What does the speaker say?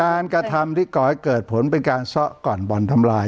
กระทำที่ก่อให้เกิดผลเป็นการซ่อก่อนบ่อนทำลาย